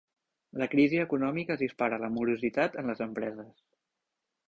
La crisi econòmica dispara la morositat en les empreses.